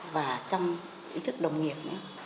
và trong ý thức đồng nghiệp